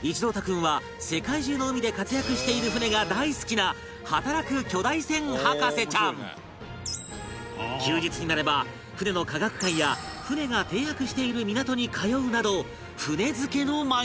一朗太君は世界中の海で活躍している船が大好きな働く巨大船博士ちゃん休日になれば船の科学館や船が停泊している港に通うなど船漬けの毎日